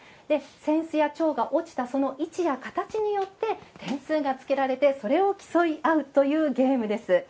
扇子や蝶が落ちたその位置や形によって点数がつけられてそれを競い合うというゲームです。